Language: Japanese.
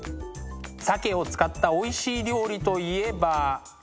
鮭を使ったおいしい料理といえば。